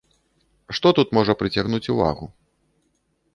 Што тут можа прыцягнуць увагу.